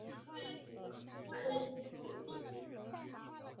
金子真大成员。